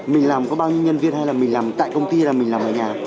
mình làm có bao nhiêu nhân viên hay là mình làm tại công ty là mình làm ở nhà